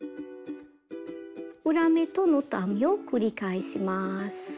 裏目とノット編みを繰り返します。